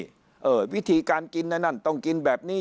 เออวิธีการกินไอ้นั่นต้องกินแบบนี้